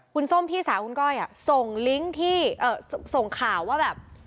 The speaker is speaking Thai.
คุณส้มพี่สาวคุณก้อยส่งลิงก์ที่ส่งข่าวว่าแบบ